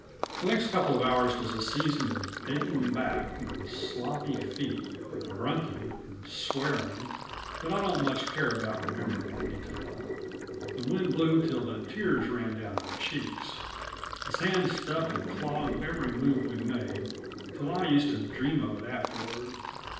The next couple of hours was a season of aching back, and sloppy feet, and grunting, and swearing that I don't much care about remembering in detail. The wind blew till the tears ran down our cheeks. The sand stuck and clogged every move we made till I used to dream of it afterward.